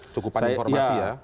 cukupan informasi ya